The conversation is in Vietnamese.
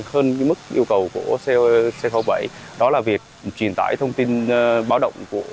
hơn mức yêu cầu của c bảy đó là việc truyền tải thông tin báo động